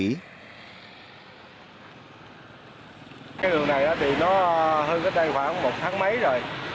cái đường này thì nó hư hết đây khoảng một tháng mấy rồi